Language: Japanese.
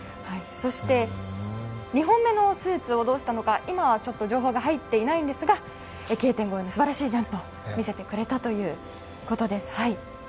そして２本目のスーツをどうしたのか今はちょっと情報が入っていないんですがＫ点越えの素晴らしいジャンプを見せてくれたということです。